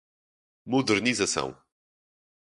modernização